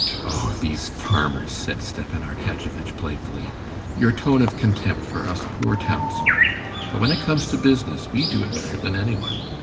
"Oh, these farmers!" said Stepan Arkadyevitch playfully. "Your tone of contempt for us poor townsfolk!... But when it comes to business, we do it better than anyone.